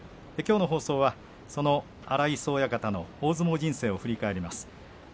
きょうの放送はその荒磯親方の大相撲人生を振り返ります。